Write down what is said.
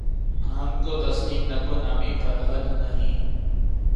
ہم کو تسلیم نکو نامیِ فرہاد نہیں